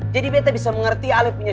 jadi betta bisa mengerti ale punya siapannya